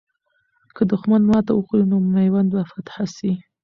که دښمن ماته وخوري، نو میوند به فتح سي.